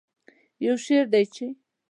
یو شعر دی چې